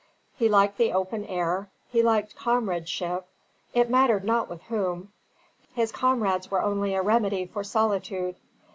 He liked the open air; he liked comradeship, it mattered not with whom, his comrades were only a remedy for solitude.